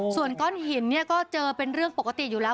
ส่วนก้อนหินเนี่ยก็เจอเป็นเรื่องปกติอยู่แล้ว